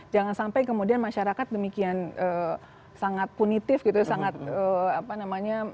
jangan sampai kemudian masyarakat demikian sangat punitif gitu sangat apa namanya